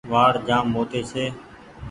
وآڙ جآم موٽي ڇي ۔